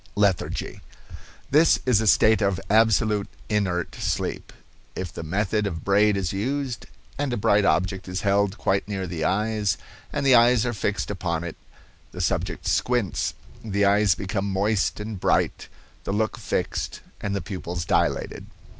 LETHARGY. This is a state of absolute inert sleep. If the method of Braid is used, and a bright object is held quite near the eyes, and the eyes are fixed upon it, the subject squints, the eyes become moist and bright, the look fixed, and the pupils dilated.